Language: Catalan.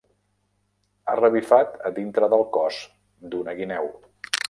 Ha revifat a dintre del cos d"una guineu.